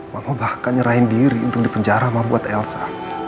mama bahkan nyerahin diri untuk dipenjara ma buat elsa